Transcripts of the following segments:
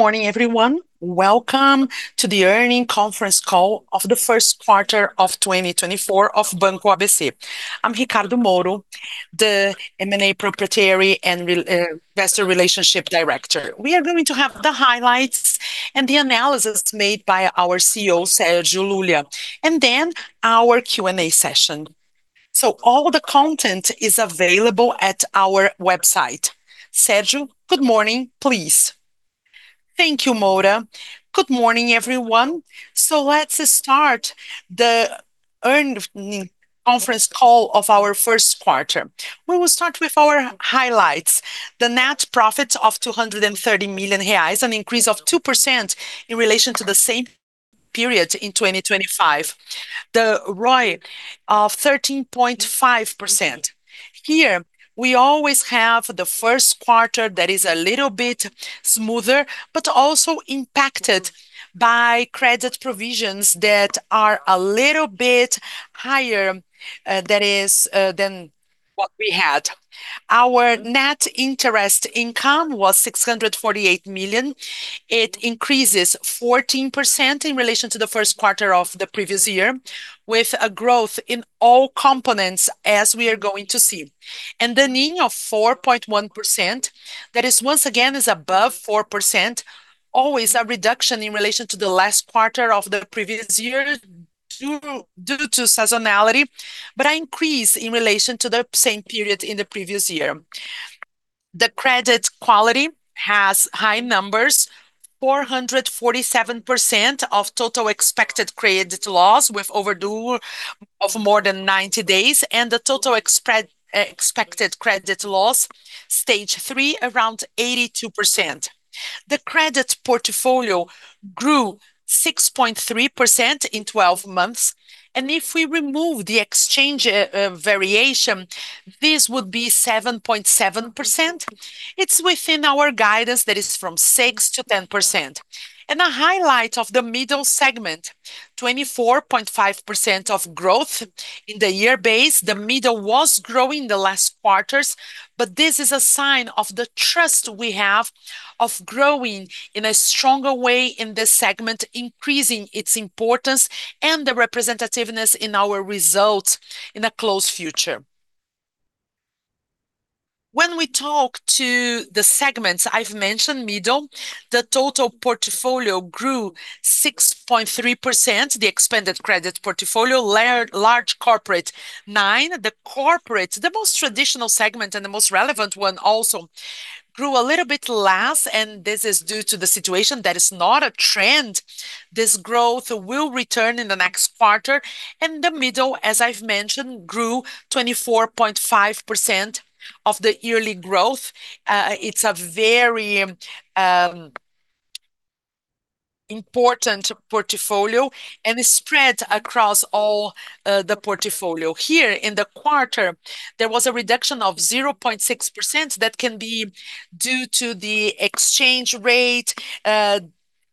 Good morning, everyone. Welcome to the earnings conference call of the first quarter of 2024 of Banco ABC Brasil. I'm Ricardo Moura, the M&A Proprietary and Investor Relations Director. We are going to have the highlights and the analysis made by our CEO, Sérgio Lulia, and then our Q&A session. All the content is available at our website. Sérgio, good morning, please. Thank you, Moura. Good morning, everyone. Let's start the earnings conference call of our first quarter. We will start with our highlights. The net profit of 230 million reais, an increase of 2% in relation to the same period in 2025. The ROI of 13.5%. Here, we always have the first quarter that is a little bit smoother, but also impacted by credit provisions that are a little bit higher, that is, than what we had. Our net interest income was 648 million. It increases 14% in relation to the first quarter of the previous year, with a growth in all components as we are going to see. The NIM of 4.1%, that is once again is above 4%, always a reduction in relation to the last quarter of the previous year due to seasonality. An increase in relation to the same period in the previous year. The credit quality has high numbers, 447% of total expected credit loss with overdue of more than 90 days. The total expected credit loss, Stage 3, around 82%. The credit portfolio grew 6.3% in 12 months. If we remove the exchange, variation, this would be 7.7%. It's within our guidance that is from 6%-10%. A highlight of the Middle segment, 24.5% of growth in the year base. The Middle was growing the last quarters, but this is a sign of the trust we have of growing in a stronger way in this segment, increasing its importance and the representativeness in our results in a close future. When we talk to the segments, I've mentioned Middle, the total portfolio grew 6.3%, the expanded credit portfolio. Large corporate, 9%. The Corporate, the most traditional segment and the most relevant one also, grew a little bit less, and this is due to the situation that is not a trend. This growth will return in the next quarter. The Middle, as I've mentioned, grew 24.5% of the yearly growth. It's a very important portfolio, and it's spread across all the portfolio. Here in the quarter, there was a reduction of 0.6% that can be due to the exchange rate,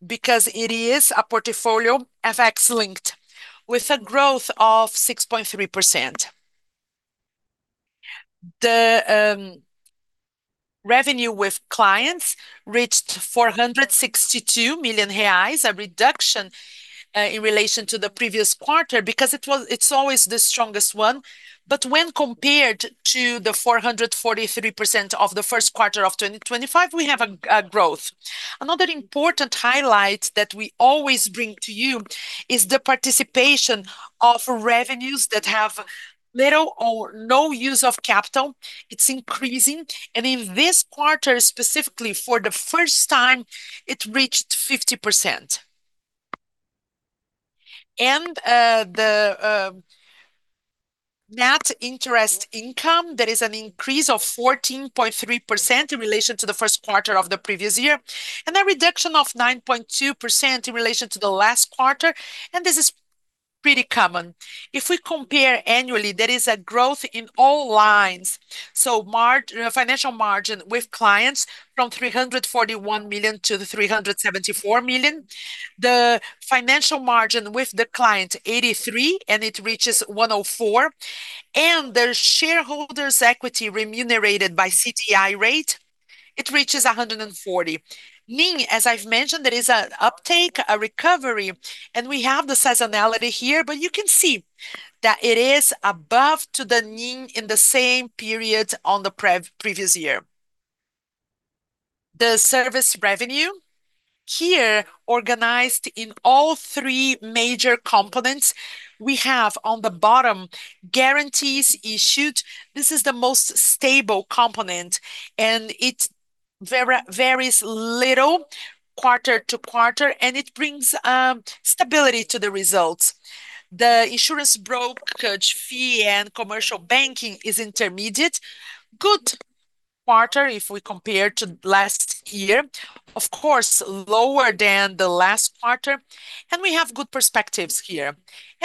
because it is a portfolio FX-linked with a growth of 6.3%. The revenue with clients reached 462 million reais, a reduction in relation to the previous quarter because it is always the strongest one. When compared to the 443% of the first quarter of 2025, we have a growth. Another important highlight that we always bring to you is the participation of revenues that have little or no use of capital. It's increasing. In this quarter specifically, for the first time, it reached 50%. The net interest income, there is an increase of 14.3% in relation to the first quarter of the previous year, and a reduction of 9.2% in relation to the last quarter, and this is pretty common. If we compare annually, there is a growth in all lines. Financial margin with clients from 341 million-374 million. The financial margin with the client, 83, and it reaches 104. The shareholders' equity remunerated by CDI rate, it reaches 140. NIM, as I've mentioned, there is an uptake, a recovery, and we have the seasonality here, but you can see that it is above to the NIM in the same period on the previous year. The service revenue, here organized in all three major components. We have on the bottom guarantees issued. This is the most stable component, and it varies little quarter to quarter, and it brings stability to the results. The insurance brokerage fee and commercial banking is intermediate. Quarter if we compare to last year. Of course, lower than the last quarter, and we have good perspectives here.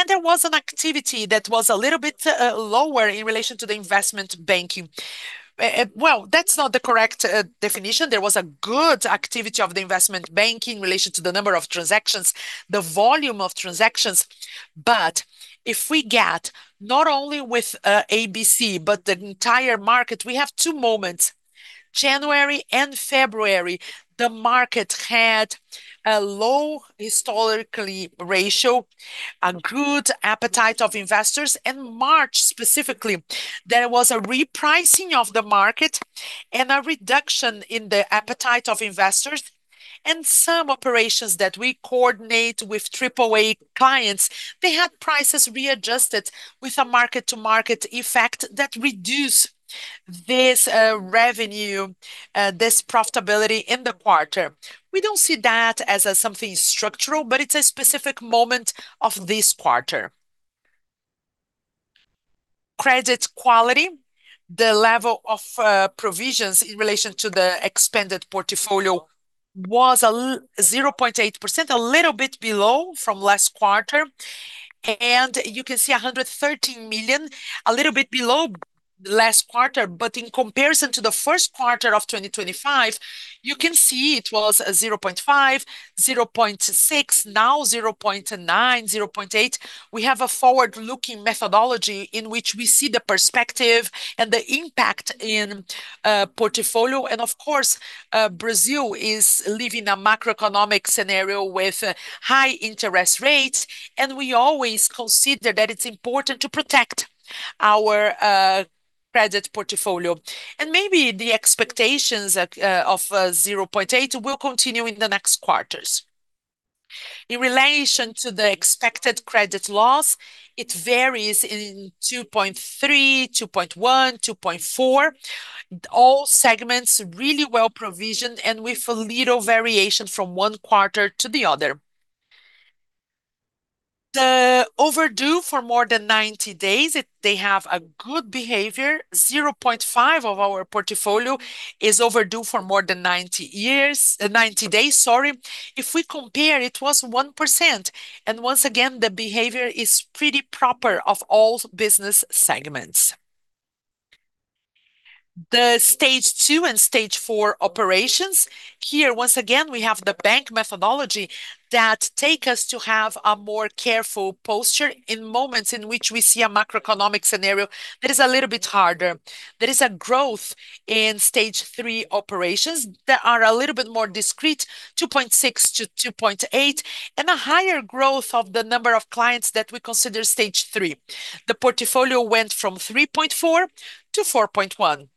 There was an activity that was a little bit lower in relation to the investment banking. Well, that's not the correct definition. There was a good activity of the investment banking in relation to the number of transactions, the volume of transactions. If we get, not only with ABC, but the entire market, we have two moments. January and February, the market had a low historically ratio, a good appetite of investors. In March, specifically, there was a repricing of the market and a reduction in the appetite of investors. Some operations that we coordinate with AAA clients, they had prices readjusted with a mark-to-market effect that reduce this revenue, this profitability in the quarter. We don't see that as something structural, but it's a specific moment of this quarter. Credit quality, the level of provisions in relation to the expanded portfolio was 0.8%, a little bit below from last quarter. You can see 113 million, a little bit below last quarter. In comparison to the first quarter of 2025, you can see it was 0.5%, 0.6%, now 0.9%, 0.8%. We have a forward-looking methodology in which we see the perspective and the impact in portfolio. Of course, Brazil is living a macroeconomic scenario with high interest rates, and we always consider that it's important to protect our credit portfolio. Maybe the expectations of 0.8% will continue in the next quarters. In relation to the expected credit loss, it varies in 2.3%, 2.1%, 2.4%. All segments really well-provisioned and with a little variation from one quarter to the other. The overdue for more than 90 days, they have a good behavior. 0.5% of our portfolio is overdue for more than 90 years, 90 days, sorry. If we compare, it was 1%. Once again, the behavior is pretty proper of all business segments. The Stage 2 and Stage 4 operations, here, once again, we have the bank methodology that take us to have a more careful posture in moments in which we see a macroeconomic scenario that is a little bit harder. There is a growth in Stage 3 operations that are a little bit more discrete, 2.6%-2.8%, and a higher growth of the number of clients that we consider Stage 3. The portfolio went from 3.4%-4.1%.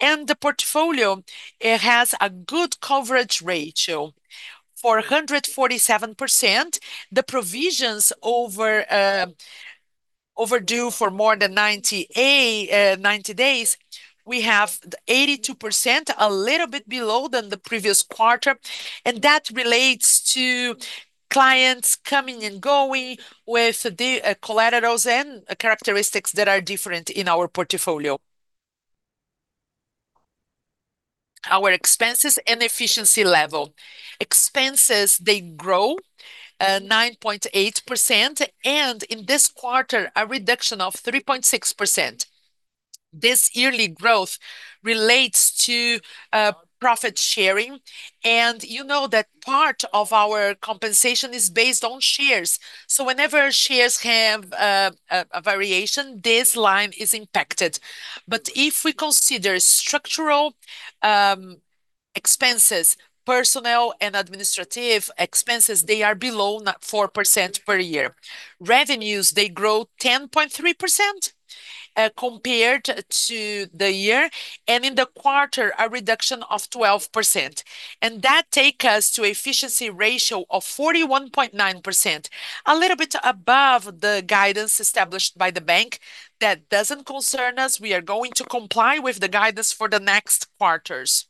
The portfolio, it has a good coverage ratio. For 147%, the provisions over overdue for more than 90 days, we have 82%, a little bit below than the previous quarter. That relates to clients coming and going with the collaterals and characteristics that are different in our portfolio. Our expenses and efficiency level. Expenses, they grow 9.8%. In this quarter, a reduction of 3.6%. This yearly growth relates to profit sharing. You know that part of our compensation is based on shares. Whenever shares have a variation, this line is impacted. If we consider structural expenses, personnel and administrative expenses, they are below 4% per year. Revenues, they grow 10.3% compared to the year. In the quarter, a reduction of 12%. That take us to efficiency ratio of 41.9%, a little bit above the guidance established by Banco ABC Brasil. That doesn't concern us. We are going to comply with the guidance for the next quarters.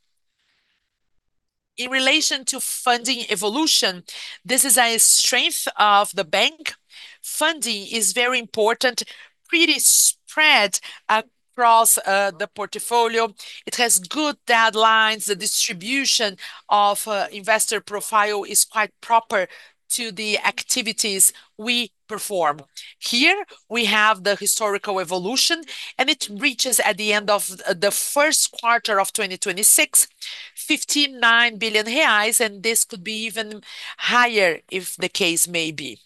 In relation to funding evolution, this is a strength of the bank. Funding is very important, pretty spread across the portfolio. It has good deadlines. The distribution of investor profile is quite proper to the activities we perform. Here, we have the historical evolution, and it reaches at the end of the first quarter of 2026, 59 billion reais, and this could be even higher if the case may be.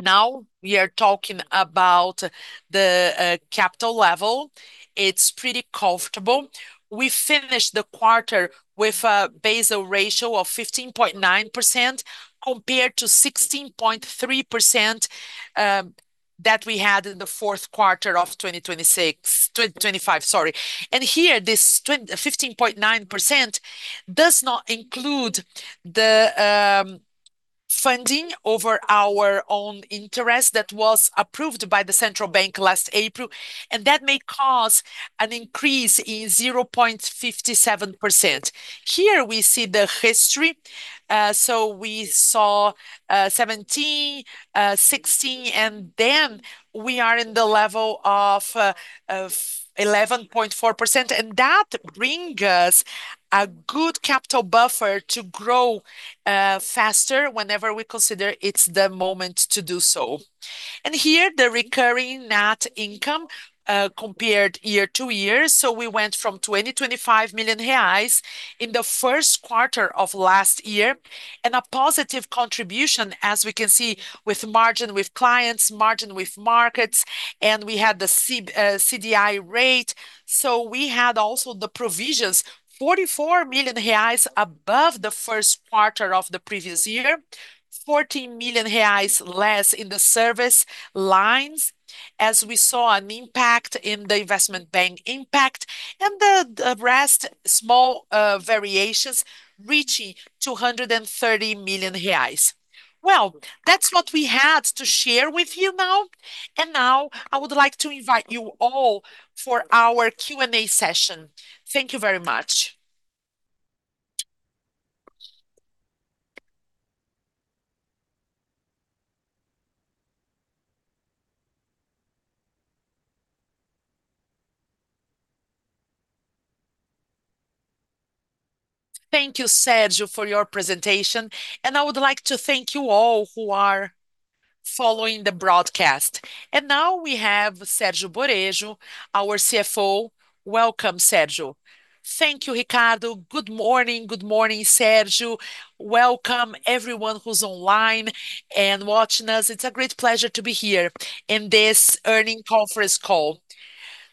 Now we are talking about the capital level. It's pretty comfortable. We finished the quarter with a Basel ratio of 15.9% compared to 16.3% that we had in the fourth quarter of 2025. Here, this 20%, 15.9% does not include the funding over our own interest that was approved by the Central Bank last April, that may cause an increase in 0.57%. Here we see the history. We saw 17%, 16%, then we are in the level of 11.4%, that bring us a good capital buffer to grow faster whenever we consider it's the moment to do so. Here, the recurring net income compared year to years. We went from 2,025 million reais in the first quarter of last year, a positive contribution as we can see with margin with clients, margin with markets, we had the CDI rate. We had also the provisions, 44 million reais above the first quarter of the previous year, 14 million reais less in the service lines as we saw an impact in the investment banking impact, and the rest, small variations reaching 230 million reais. That's what we had to share with you now. Now I would like to invite you all for our Q&A session. Thank you very much. Thank you, Sérgio, for your presentation. I would like to thank you all who are following the broadcast. Now we have Sérgio Borejo, our CFO. Welcome, Sérgio. Thank you, Ricardo. Good morning. Good morning, Sérgio. Welcome everyone who's online and watching us. It's a great pleasure to be here in this earnings conference call.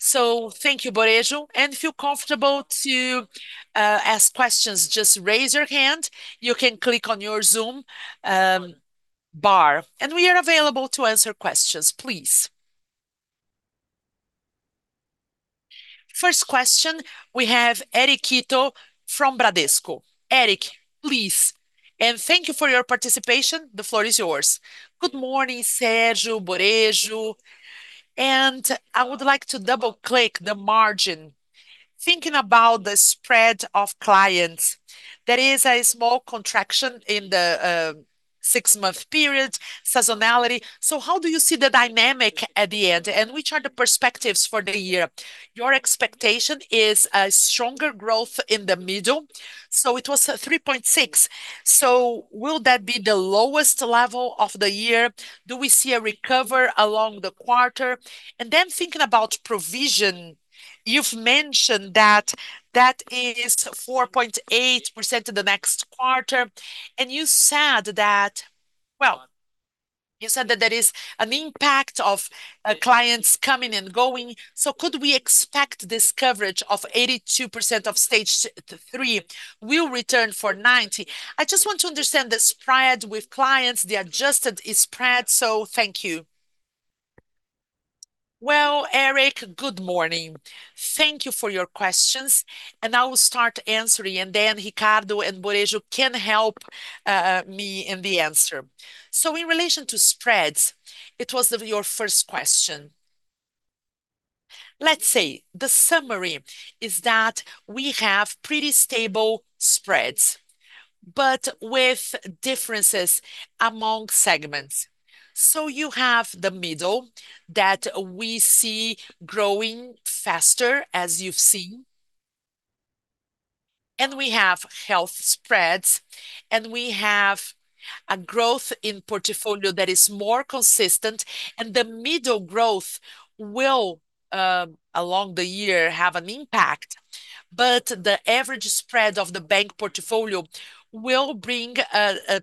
Thank you, Borejo. Feel comfortable to ask questions. Just raise your hand. You can click on your Zoom bar, we are available to answer questions, please. First question, we have Eric Ito from Bradesco. Eric, please. Thank you for your participation. The floor is yours. Good morning, Sérgio Ricardo Borejo. I would like to double-click the margin. Thinking about the spread of clients, there is a small contraction in the six-month period seasonality. How do you see the dynamic at the end, and which are the perspectives for the year? Your expectation is a stronger growth in the middle, so it was 3.6%. Will that be the lowest level of the year? Do we see a recovery along the quarter? Thinking about provision, you've mentioned that that is 4.8% in the next quarter, and you said that there is an impact of clients coming and going. Could we expect this coverage of 82% of Stage 3 will return for 90%? I just want to understand the spread with clients, the adjusted spread, thank you. Eric, good morning. Thank you for your questions, and I will start answering, and then Ricardo and Borejo can help me in the answer. In relation to spreads, your first question. Let's say the summary is that we have pretty stable spreads, but with differences among segments. You have the middle that we see growing faster, as you've seen, and we have health spreads, and we have a growth in portfolio that is more consistent, and the middle growth will along the year, have an impact. The average spread of the bank portfolio will bring a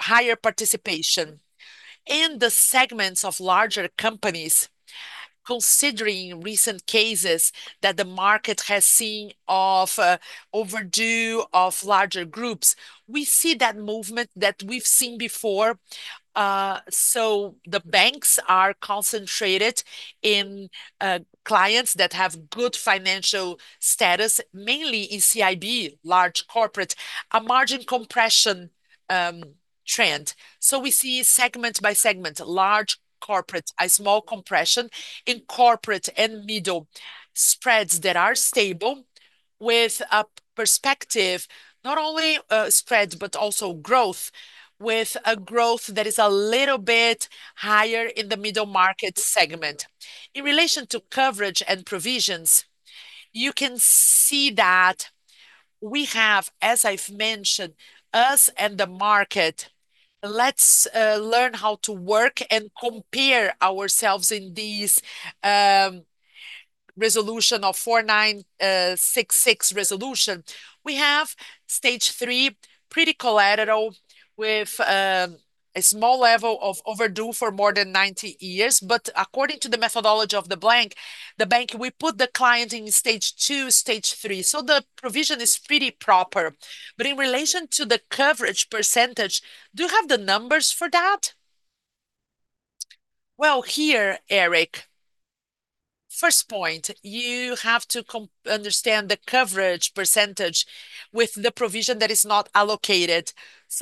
higher participation in the segments of larger companies. Considering recent cases that the market has seen of overdue of larger groups, we see that movement that we've seen before. The banks are concentrated in clients that have good financial status, mainly in CIB, large corporate, a margin compression trend. We see segment by segment, large corporate, a small compression in corporate and middle spreads that are stable with a perspective not only spreads but also growth, with a growth that is a little bit higher in the middle market segment. In relation to coverage and provisions, you can see that we have, as I've mentioned, us and the market. Let's learn how to work and compare ourselves in these Resolution 4966. We have Stage 3, pretty collateral with a small level of overdue for more than 90 years. According to the methodology of the bank, we put the client in Stage 2, Stage 3, so the provision is pretty proper. In relation to the coverage %, do you have the numbers for that? Well, here, Eric, first point, you have to understand the coverage % with the provision that is not allocated.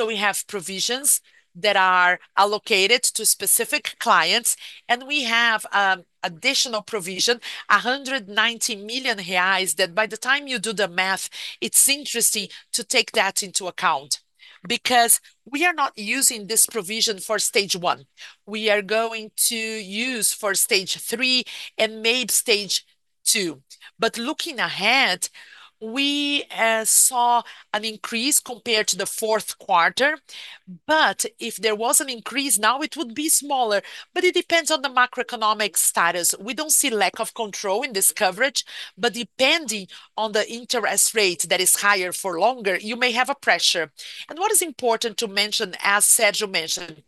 We have provisions that are allocated to specific clients, and we have additional provision, 190 million reais, that by the time you do the math, it's interesting to take that into account because we are not using this provision for Stage 1. We are going to use for Stage 3 and maybe Stage 2. Looking ahead, we saw an increase compared to the fourth quarter. If there was an increase now, it would be smaller, but it depends on the macroeconomic status. We don't see lack of control in this coverage, depending on the interest rate that is higher for longer, you may have a pressure. What is important to mention, as Sérgio mentioned,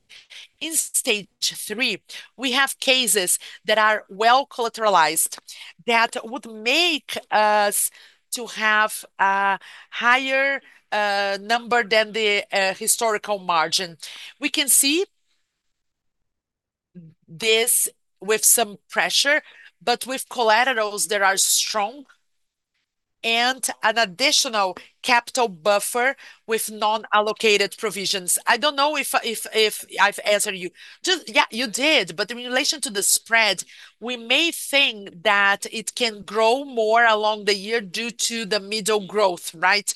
in Stage 3 we have cases that are well collateralized that would make us to have a higher number than the historical margin. We can see this with some pressure, but with collaterals there are strong and an additional capital buffer with non-allocated provisions. I don't know if I've answered you. Just, yeah, you did. In relation to the spread, we may think that it can grow more along the year due to the middle growth, right?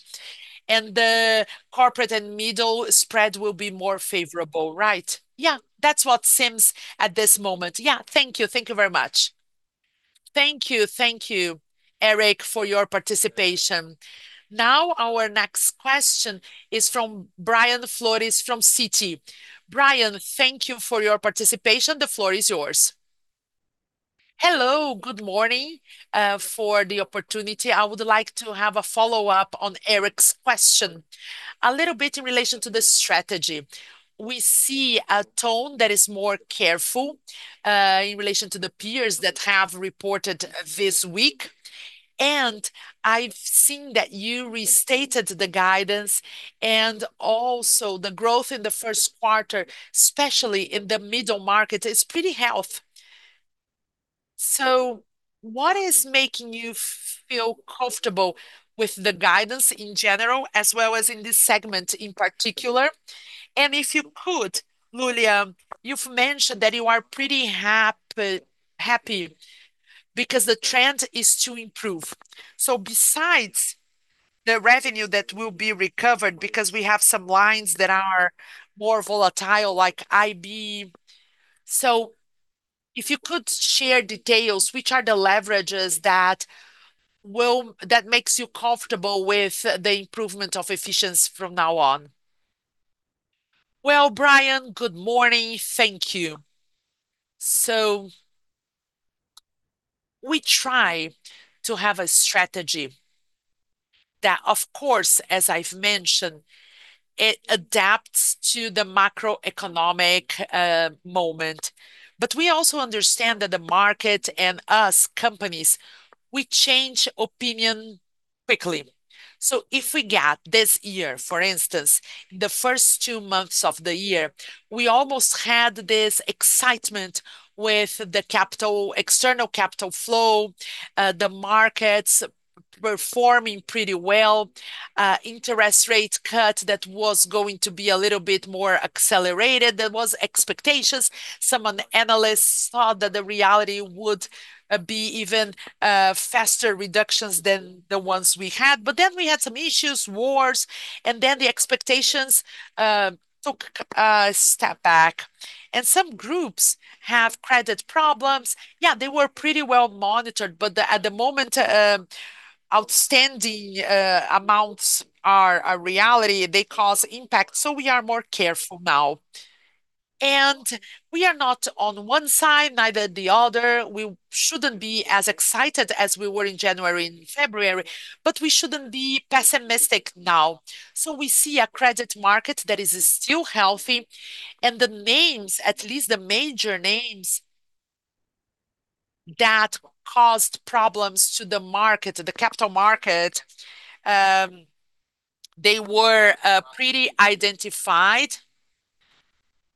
The corporate and middle spread will be more favorable, right? Yeah. That's what seems at this moment. Yeah. Thank you. Thank you very much. Thank you. Thank you, Eric, for your participation. Our next question is from Brian Flores from Citi. Brian, thank you for your participation. The floor is yours. Hello. Good morning, for the opportunity. I would like to have a follow-up on Eric's question. A little bit in relation to the strategy. We see a tone that is more careful in relation to the peers that have reported this week. I've seen that you restated the guidance and also the growth in the first quarter, especially in the middle market. It's pretty healthy. What is making you feel comfortable with the guidance in general, as well as in this segment in particular? If you could, Lulia, you've mentioned that you are pretty happy because the trend is to improve. Besides the revenue that will be recovered, because we have some lines that are more volatile, like IB, if you could share details, which are the leverages that makes you comfortable with the improvement of efficiency from now on? Well, Brian, good morning. Thank you. We try to have a strategy that, of course, as I've mentioned, it adapts to the macroeconomic moment, but we also understand that the market and us companies, we change opinion quickly. If we get this year, for instance, the first two months of the year, we almost had this excitement with the capital, external capital flow, the markets were forming pretty well, interest rates cut that was going to be a little bit more accelerated than was expected. Some of the analysts thought that the reality would be even faster reductions than the ones we had. We had some issues, wars, and the expectations took a step back. Some groups have credit problems. They were pretty well-monitored, but at the moment, outstanding amounts are a reality. They cause impact. We are more careful now. We are not on one side, neither the other. We shouldn't be as excited as we were in January and February, but we shouldn't be pessimistic now. We see a credit market that is still healthy, and the names, at least the major names that caused problems to the market, the capital market, they were pretty identified,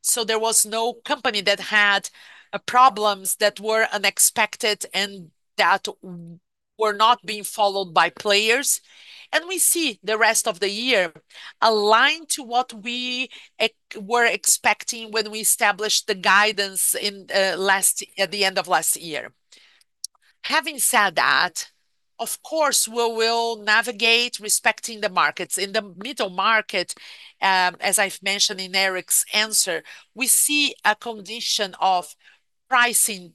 so there was no company that had problems that were unexpected and that were not being followed by players. We see the rest of the year aligned to what we were expecting when we established the guidance in last, at the end of last year. Having said that, of course we will navigate respecting the markets. In the middle market, as I've mentioned in Eric's answer, we see a condition of pricing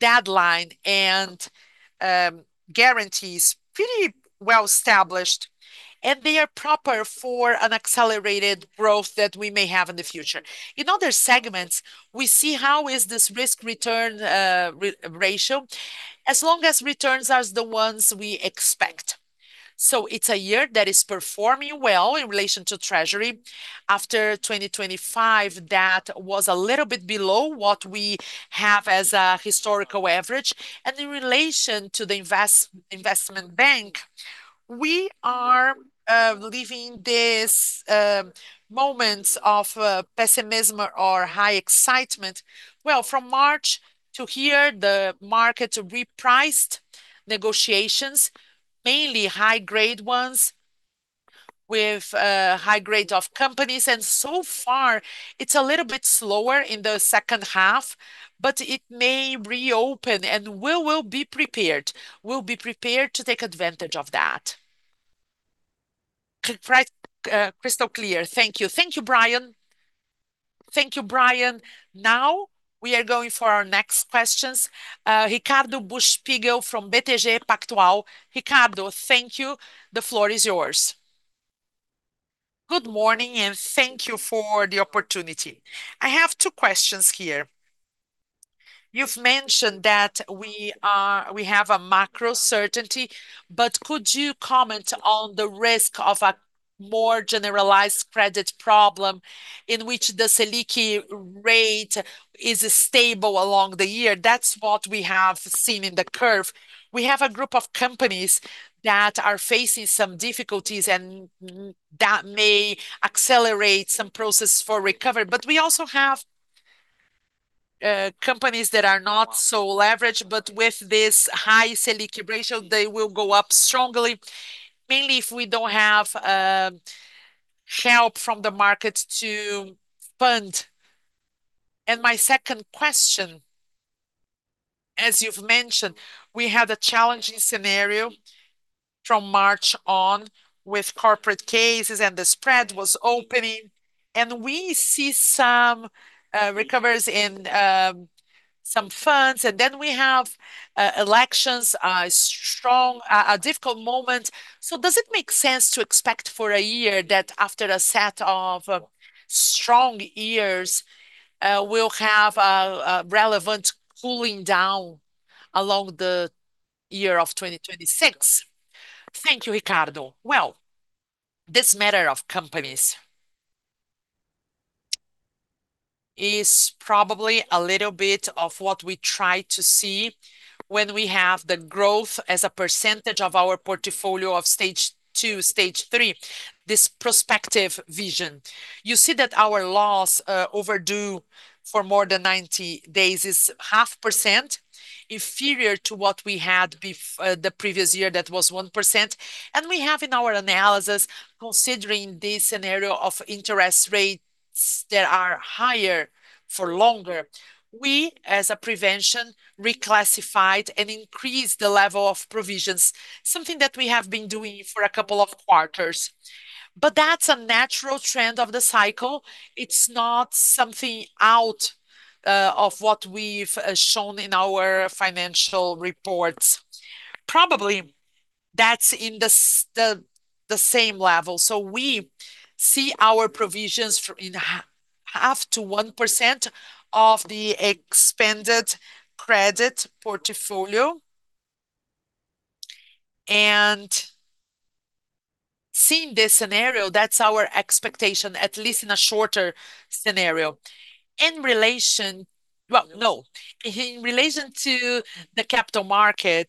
deadline and guarantees pretty well established, and they are proper for an accelerated growth that we may have in the future. In other segments, we see how is this risk-return ratio, as long as returns are the ones we expect. It's a year that is performing well in relation to Treasury. After 2025, that was a little bit below what we have as a historical average. In relation to the investment bank, we are leaving this moment of pessimism or high excitement. Well, from March to here, the market repriced negotiations, mainly high-grade ones with high grade of companies, and so far it's a little bit slower in the second half, but it may reopen, and we will be prepared. We'll be prepared to take advantage of that. Right, crystal clear. Thank you. Thank you, Brian. Thank you, Brian. Now we are going for our next questions. Ricardo Buchpiguel from BTG Pactual. Ricardo, thank you. The floor is yours. Good morning, thank you for the opportunity. I have two questions here. You've mentioned that we have a macro certainty, but could you comment on the risk of a more generalized credit problem in which the Selic rate is stable along the year? That's what we have seen in the curve. We have a group of companies that are facing some difficulties and that may accelerate some process for recovery. We also have companies that are not so leveraged, but with this high Selic rate, they will go up strongly, mainly if we don't have help from the market to fund. My second question, as you've mentioned, we had a challenging scenario from March on with corporate cases, and the spread was opening, and we see some recovers in some funds. We have elections, a strong AAA, a difficult moment. Does it make sense to expect for a year that after a set of strong years, we'll have a relevant cooling down along the year of 2026? Thank you, Ricardo. Well, this matter of companies is probably a little bit of what we try to see when we have the growth as a % of our portfolio of Stage 2, Stage 3, this prospective vision. You see that our loss overdue for more than 90 days is 0.5%, inferior to what we had the previous year, that was 1%. We have in our analysis, considering this scenario of interest rates that are higher for longer, we, as a prevention, reclassified and increased the level of provisions, something that we have been doing for a couple of quarters. That's a natural trend of the cycle. It's not something out of what we've shown in our financial reports. Probably that's in the same level. We see our provisions in half to 1% of the expended credit portfolio. Seeing this scenario, that's our expectation, at least in a shorter scenario. In relation Well, no. In relation to the capital market,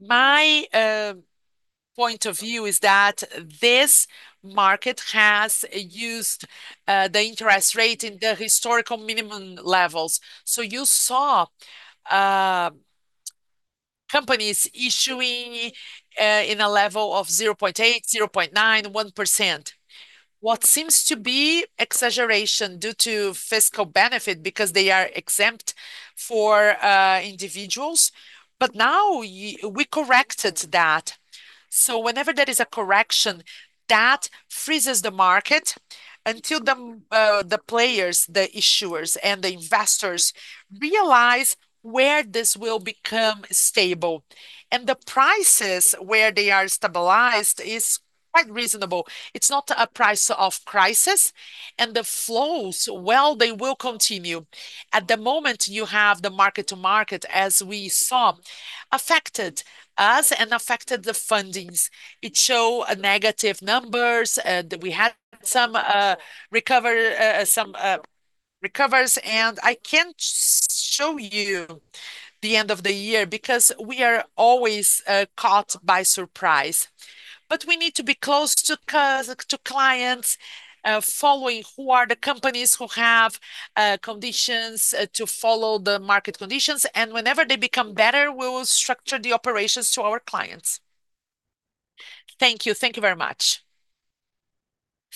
my point of view is that this market has used the interest rate in the historical minimum levels. You saw companies issuing in a level of 0.8%, 0.9%, 1%, what seems to be exaggeration due to fiscal benefit because they are exempt for individuals. Now we corrected that. Whenever there is a correction, that freezes the market until the players, the issuers, and the investors realize where this will become stable. The prices where they are stabilized is quite reasonable. It's not a price of crisis. The flows, well, they will continue. At the moment, you have the mark-to-market, as we saw, affected us and affected the fundings. It show a negative numbers that we had some recovers. I can't show you the end of the year because we are always caught by surprise. We need to be close to clients, following who are the companies who have conditions to follow the market conditions, and whenever they become better, we will structure the operations to our clients. Thank you. Thank you very much.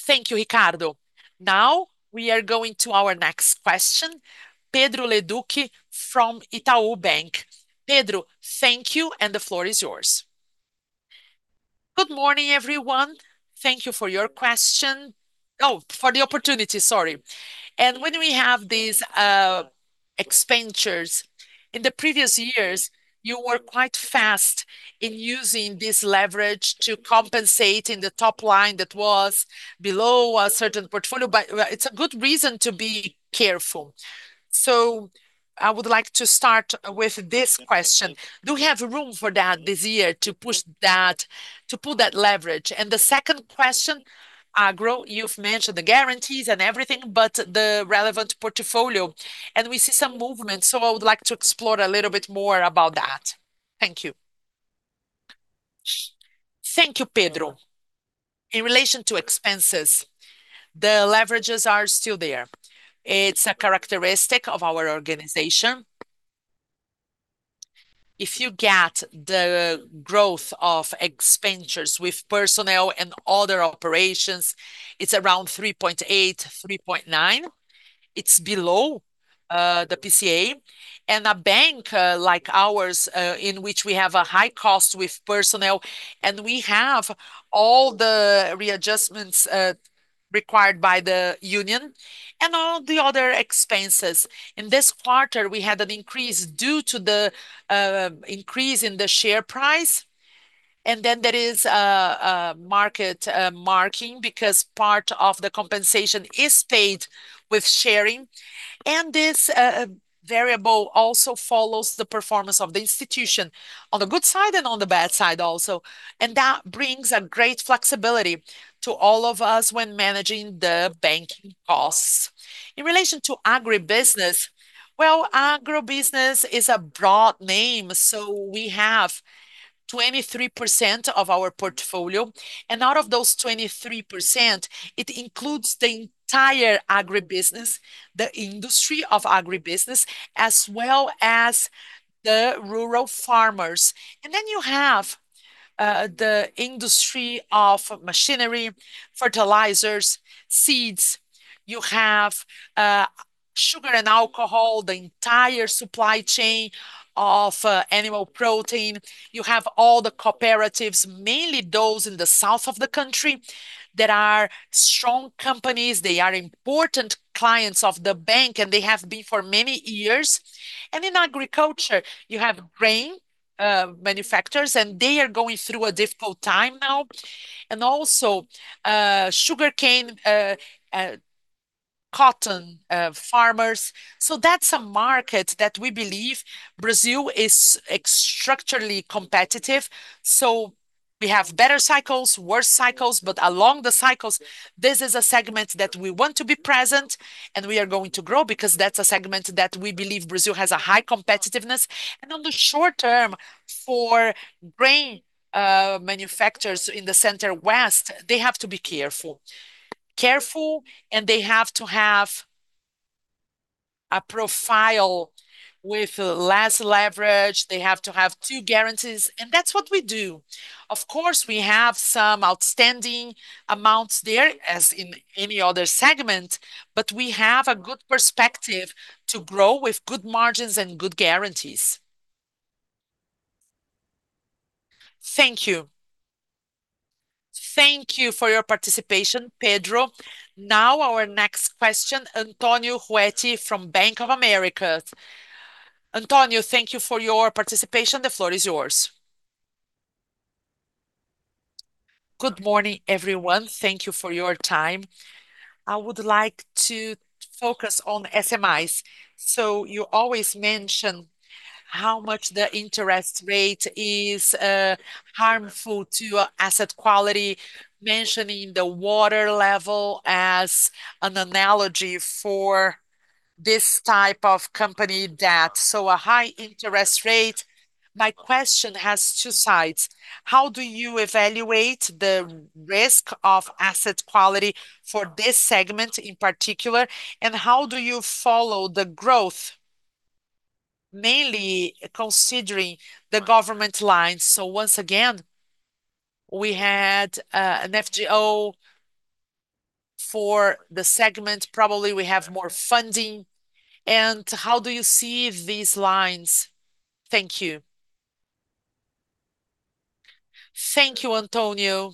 Thank you, Ricardo. Now we are going to our next question. Pedro Leduc from Itaú BBA. Pedro, thank you, and the floor is yours. Good morning, everyone. Thank you for your question. Oh, for the opportunity, sorry. When we have this expenditures, in the previous years, you were quite fast in using this leverages to compensate in the top line that was below a certain portfolio, but, well, it's a good reason to be careful. I would like to start with this question: Do we have room for that this year to push that, to pull that leverage? The second question, Borejo, you've mentioned the guarantees and everything, but the relevant portfolio, and we see some movement, so I would like to explore a little bit more about that. Thank you. Thank you, Pedro. In relation to expenses, the leverages are still there. It's a characteristic of our organization. If you get the growth of expenditures with personnel and other operations, it's around 3.8x, 3.9x. It's below the IPCA. A bank like ours, in which we have a high cost with personnel, and we have all the readjustments required by the union and all the other expenses. In this quarter, we had an increase due to the increase in the share price, there is mark-to-market because part of the compensation is paid with sharing. This variable also follows the performance of the institution on the good side and on the bad side also, brings a great flexibility to all of us when managing the banking costs. In relation to agribusiness, well, agribusiness is a broad name. We have 23% of our portfolio, and out of those 23%, it includes the entire agribusiness, the industry of agribusiness, as well as the rural farmers. You have the industry of machinery, fertilizers, seeds. You have sugar and alcohol, the entire supply chain of animal protein. You have all the cooperatives, mainly those in the South of the country, that are strong companies. They are important clients of the bank, and they have been for many years. In agriculture you have grain manufacturers, and they are going through a difficult time now, and also sugarcane, cotton farmers. That's a market that we believe Brazil is structurally competitive. We have better cycles, worse cycles, but along the cycles, this is a segment that we want to be present and we are going to grow because that's a segment that we believe Brazil has a high competitiveness. On the short term for grain manufacturers in the Center-West, they have to be careful. Careful, and they have to have a profile with less leverage. They have to have two guarantees, and that's what we do. Of course, we have some outstanding amounts there, as in any other segment, but we have a good perspective to grow with good margins and good guarantees. Thank you. Thank you for your participation, Pedro. Now our next question, Antonio Ruette from Bank of America. Antonio, thank you for your participation. The floor is yours. Good morning, everyone. Thank you for your time. I would like to focus on SMEs. You always mention how much the interest rate is harmful to asset quality, mentioning the water level as an analogy for this type of company debt, so a high interest rate. My question has two sides. How do you evaluate the risk of asset quality for this segment in particular, and how do you follow the growth, mainly considering the government lines? Once again, we had an FGO for the segment. Probably we have more funding. How do you see these lines? Thank you. Thank you, Antonio.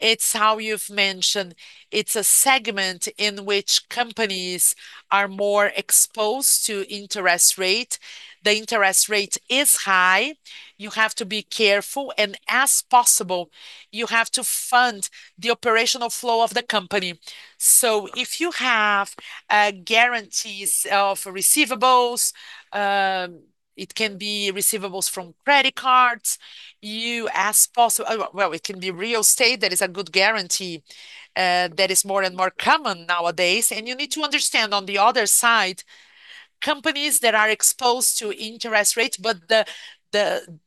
It's how you've mentioned. It's a segment in which companies are more exposed to interest rate. The interest rate is high. You have to be careful, and as possible, you have to fund the operational flow of the company. If you have guarantees of receivables, it can be receivables from credit cards. Well, it can be real estate, that is a good guarantee, that is more and more common nowadays. You need to understand on the other side, companies that are exposed to interest rates, but the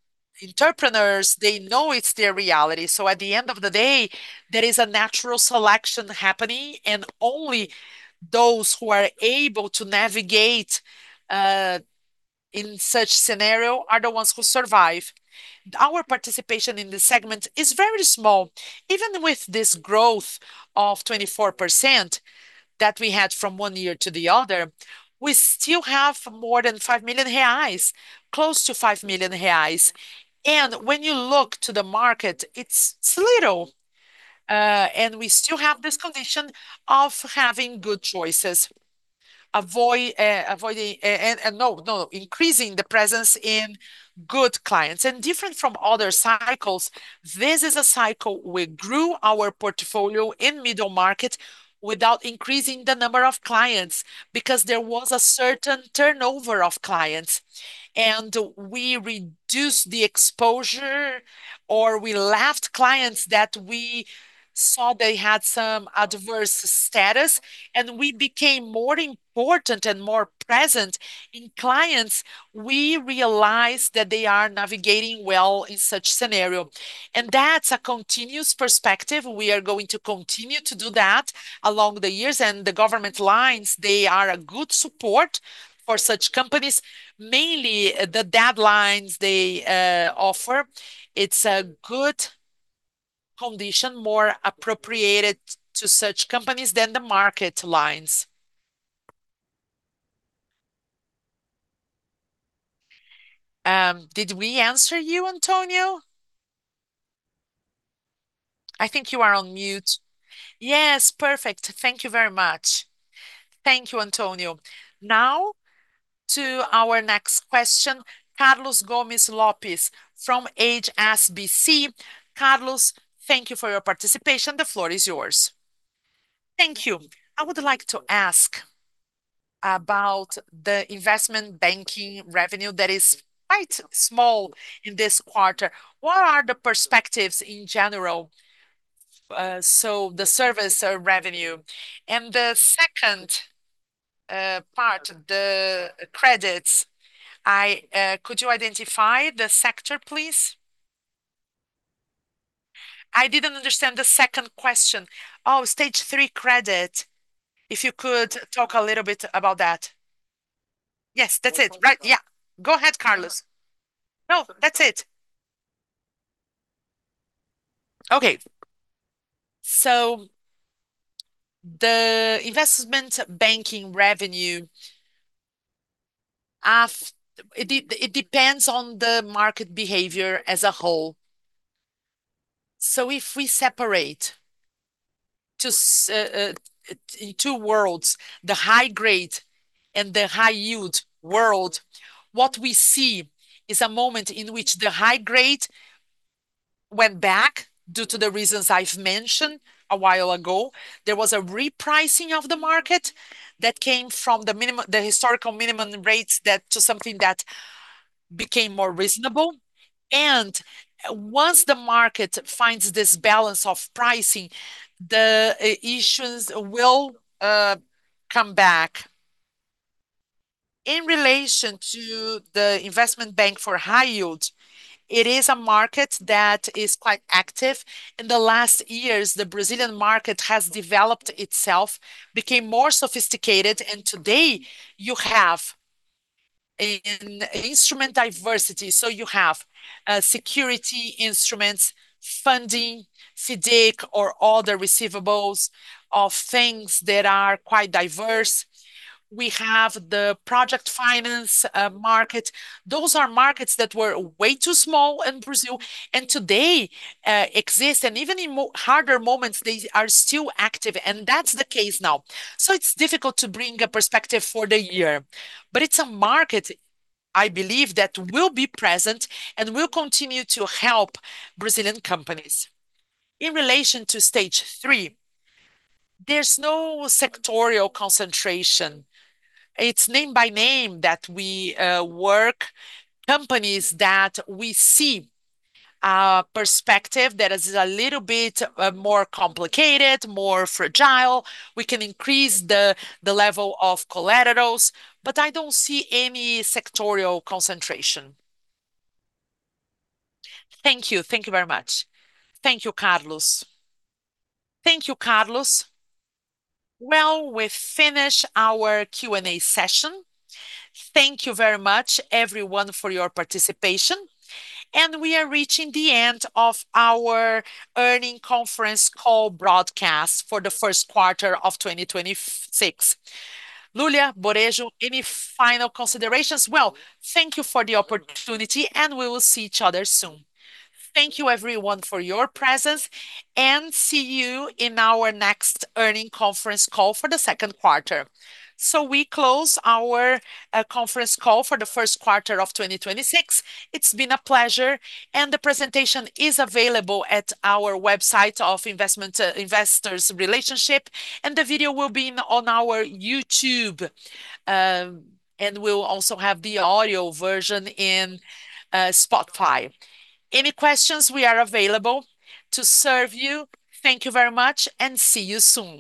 entrepreneurs, they know it's their reality. At the end of the day, there is a natural selection happening, and only those who are able to navigate in such scenario are the ones who survive. Our participation in this segment is very small. Even with this growth of 24% that we had from one year to the other, we still have more than 5 million reais, close to 5 million reais. When you look to the market, it's little, and we still have this condition of having good choices, avoiding and increasing the presence in good clients. Different from other cycles, this is a cycle we grew our portfolio in middle market without increasing the number of clients, because there was a certain turnover of clients, and we reduced the exposure, or we left clients that we saw they had some adverse status, and we became more important and more present in clients we realized that they are navigating well in such scenario. That's a continuous perspective. We are going to continue to do that along the years. The government lines, they are a good support for such companies. Mainly, the deadlines they offer, it's a good condition, more appropriate to such companies than the market lines. Did we answer you, Antonio? I think you are on mute. Yes, perfect. Thank you very much. Thank you, Antonio. Now to our next question, Carlos Gomez-Lopez from HSBC. Carlos, thank you for your participation. The floor is yours. Thank you. I would like to ask about the investment banking revenue that is quite small in this quarter. What are the perspectives in general, the service or revenue? The second part, the credits. Could you identify the sector, please? I didn't understand the second question. Stage 3 credit, if you could talk a little bit about that. Yes, that's it. Right. Yeah. Go ahead, Carlos. No, that's it. Okay. The investment banking revenue it depends on the market behavior as a whole. If we separate to two worlds, the high-grade and the high-yield world, what we see is a moment in which the high-grade went back due to the reasons I've mentioned a while ago. There was a repricing of the market that came from the historical minimum rates to something that became more reasonable. Once the market finds this balance of pricing, the issues will come back. In relation to the investment bank for high-yield, it is a market that is quite active. In the last years, the Brazilian market has developed itself, became more sophisticated, and today you have an instrument diversity. You have security instruments, funding, CDI, or other receivables of things that are quite diverse. We have the project finance market. Those are markets that were way too small in Brazil, and today exist. Even in harder moments, they are still active, and that's the case now. It's difficult to bring a perspective for the year, but it's a market, I believe, that will be present and will continue to help Brazilian companies. In relation to Stage 3, there's no sectorial concentration. It's name by name that we work companies that we see a perspective that is a little bit more complicated, more fragile. We can increase the level of collaterals. I don't see any sectorial concentration. Thank you. Thank you very much. Thank you, Carlos. Thank you, Carlos. We finish our Q&A session. Thank you very much, everyone, for your participation. We are reaching the end of our earnings conference call broadcast for the first quarter of 2026. Lulia, Borejo, any final considerations? Thank you for the opportunity. We will see each other soon. Thank you, everyone, for your presence, and see you in our next earnings conference call for the second quarter. We close our conference call for the first quarter of 2026. It's been a pleasure, and the presentation is available at our website of investor relations, and the video will be on our YouTube. We'll also have the audio version in Spotify. Any questions, we are available to serve you. Thank you very much, and see you soon.